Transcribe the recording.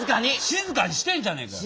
静かにしてんじゃねえかよ。